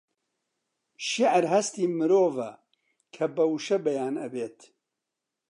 شێعر هەستی مرۆڤە کە بە وشە بەیان ئەبێت